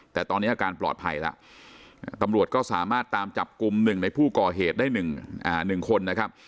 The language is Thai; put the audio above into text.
แต่ตอนนี้อาการปลอดภัยแล้วตำรวจก็สามารถตามจับกลุ่ม๑ในผู้ก่อเหตุได้๑คนนะครับ